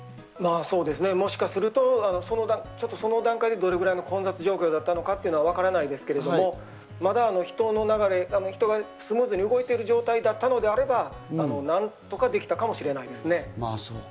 もしかするとその段階でどれぐらいの混雑状況だったのかわからないですけれど、まだ人の流れ、人がスムーズに動いてる状態だったのであれば何とかできたかもしれないですね。